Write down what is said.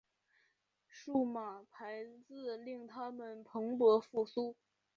数码排字令它们蓬勃复苏。